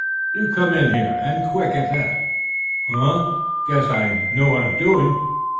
"You come in here! And quick, at that!" "Huh! Guess I know what I'm doing.